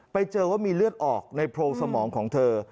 ไปเจอว่ามีเลือดออกในโพรงสมองของเธอ